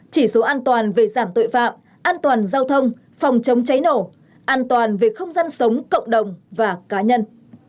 chỉ số an toàn về giảm tội phạm an toàn giao thông phòng chống cháy nổ an toàn về không gian sống cộng đồng và cá nhân